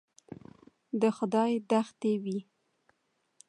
د خدای دښتې وې.